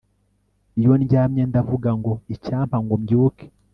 iyo ndyamye, ndavuga ngo 'icyampa ngo byuke'